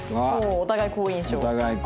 お互い好印象。